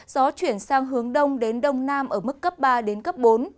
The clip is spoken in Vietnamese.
gió chuyển sang hướng đông đến đông nam ở mức cấp ba đến cấp bốn